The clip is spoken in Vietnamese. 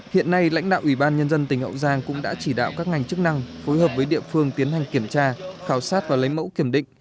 hiện nay lãnh đạo ủy ban nhân dân tỉnh hậu giang cũng đã chỉ đạo các ngành chức năng phối hợp với địa phương tiến hành kiểm tra khảo sát và lấy mẫu kiểm định